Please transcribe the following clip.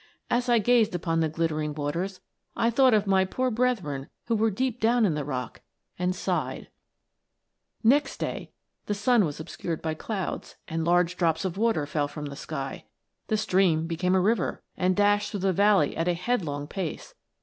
As I gazed upon the glittering waters I thought of my poor brethren who were deep down in the rock, and sighed !" Next day the sun was obscured by clouds, and large drops of water fell from the sky. The stream became a river, and dashed through the valley at a headlong pace.